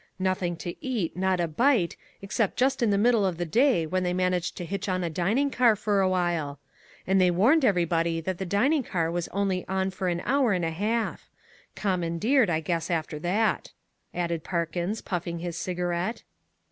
Nothing to eat, not a bite, except just in the middle of the day when they managed to hitch on a dining car for a while. And they warned everybody that the dining car was only on for an hour and a half. Commandeered, I guess after that," added Parkins, puffing his cigarette.